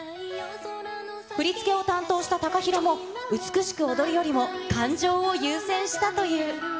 振り付けを担当したＴＡＫＡＨＩＲＯも美しく踊るよりも感情を優先したという。